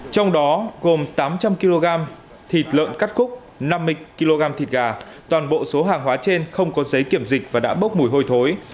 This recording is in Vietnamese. trong đó gồm tám trăm linh kg thịt lợn cắt cúc năm mươi kg thịt gà toàn bộ số hàng hóa trên không có giấy kiểm dịch và đã bốc mùi hôi thối